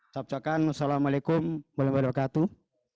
sabjakan assalamu'alaikum warahmatullahi wabarakatuh